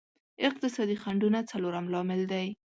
اقتصادي خنډونه څلورم لامل دی.